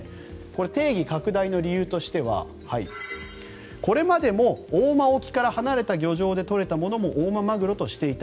定義拡大の理由としてはこれまでも大間沖から離れた漁場で取れたものも大間まぐろとしていた。